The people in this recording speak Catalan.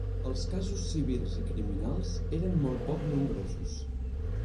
Els casos civils i criminals eren molt poc nombrosos.